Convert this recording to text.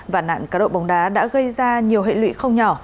và nạn cá độ bóng đá đã gây ra nhiều hệ lụy không nhỏ